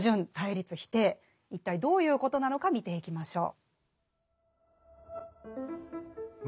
一体どういうことなのか見ていきましょう。